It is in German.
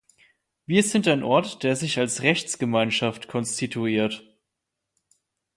Wir sind ein Ort, der sich als Rechtsgemeinschaft konstituiert.